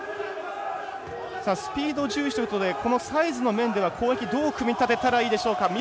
スピード重視ということでサイズの面では、攻撃どう組み立てたらいいでしょうか。